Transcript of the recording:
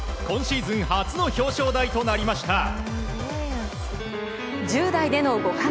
今シーズン初の表彰台となりました。